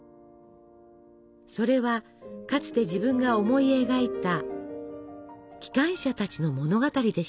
それはかつて自分が思い描いた機関車たちの物語でした。